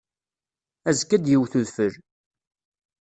Azekka ad yewt udfel.